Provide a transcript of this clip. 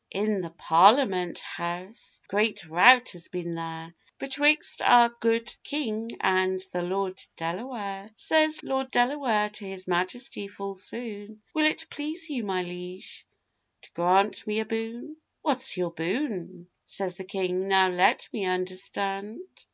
] IN the Parliament House, a great rout has been there, Betwixt our good King and the Lord Delaware: Says Lord Delaware to his Majesty full soon, 'Will it please you, my liege, to grant me a boon?' 'What's your boon,' says the King, 'now let me understand?